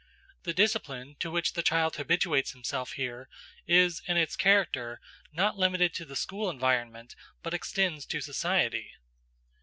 The discipline to which the child habituates himself here is, in its character, not limited to the school environment but extends to society.